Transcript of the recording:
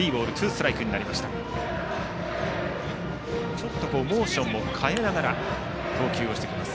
ちょっとモーションも変えながら投球をしてきます。